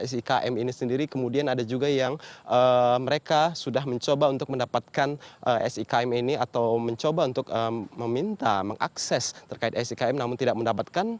sikm ini sendiri kemudian ada juga yang mereka sudah mencoba untuk mendapatkan sikm ini atau mencoba untuk meminta mengakses terkait sikm namun tidak mendapatkan